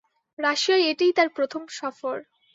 রাশিয়ায় এটিই তাঁর প্রথম সফর।